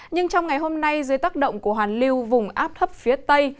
nhưng trong ngày hôm nay dưới tác động của hoàn lưu vùng áp thấp phía tây